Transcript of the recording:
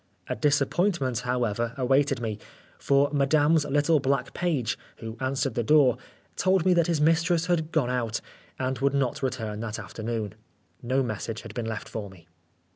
A disappointment, however, awaited me, for Madame's little black page, who answered the door, told me that his mistress had gone out, and would not return that afternoon. No rftessage had been left for me.